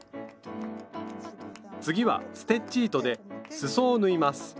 次はステッチ糸ですそを縫います。